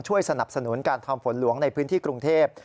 สนับสนุนการทำฝนหลวงในพื้นที่กรุงเทพ